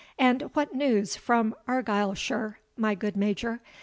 And what news from Argyleshire, my good Major?